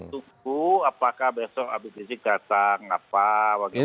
tunggu apakah besok habib rizik datang apa bagaimana